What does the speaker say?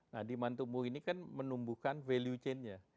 nah demand tumbuh ini kan menumbuhkan value chain nya